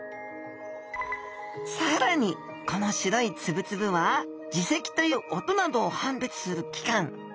更にこの白いつぶつぶは耳石という音などを判別する器官。